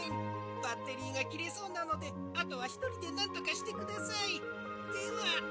バッテリーがきれそうなのであとはひとりでなんとかしてくださいでは」。